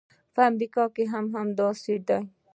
په امریکا کې هم همداسې ده.